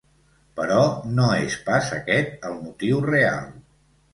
Però no és pas aquest el motiu real.